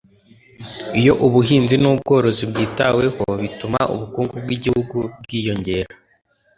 iyo ubuhinzi n’ubworozi bwitaweho bituma ubukungu bwi gihugu bwiyongera